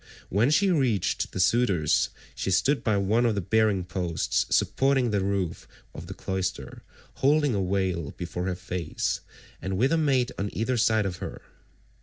When she reached the suitors, she stood by one of the bearing posts supporting the roof of the cloister, holding a veil before her face, and with a maid on either side of her.